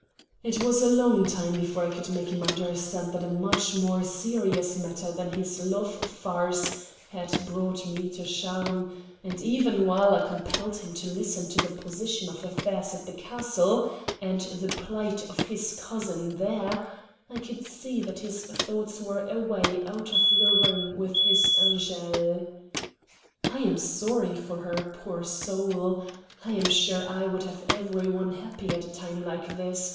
It was a long time before I could make him understand that a much more serious matter than his love farce had brought me to Charmes; and even while I compelled him to listen to the position of affairs at the castle, and the plight of his cousin there, I could see that his thoughts were away out of the room with his Angele. "I am sorry for her, poor soul. I am sure I would have every one happy at a time like this.